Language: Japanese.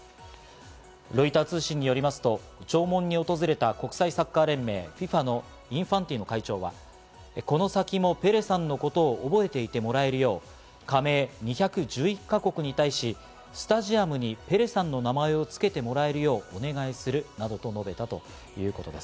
ロイター通信によりますと、弔問に訪れた国際サッカー連盟・ＦＩＦＡのインファンティノ会長はこの先もペレさんのことを覚えていてもらえるよう、加盟２１１か国に対しスタジアムにペレさんの名前をつけてもらえるようお願いするなどと述べたということです。